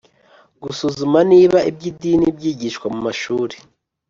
Gusuzuma niba iby’idini byigishwa mu mashuri